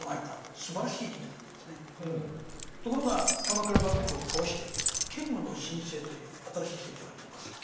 ところが鎌倉幕府を倒して建武の新政という新しい政治を始めます。